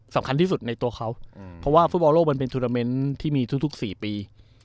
สำคัญที่สุดในตัวเขาเพราะว่าฟุตบอลโลกมันเป็นทุนาเมนต์ที่มีทุก๔ปี